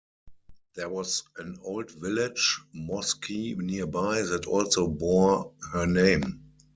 There was an old village mosque nearby that also bore her name.